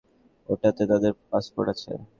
ওটাতে তাদের পাসপোর্ট আছে!